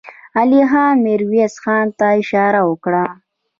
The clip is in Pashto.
علی خان ميرويس خان ته اشاره وکړه.